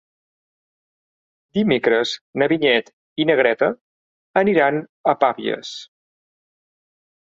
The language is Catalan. Dimecres na Vinyet i na Greta aniran a Pavies.